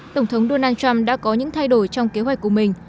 tổng thống donald trump đã có những thay đổi trong kế hoạch của mình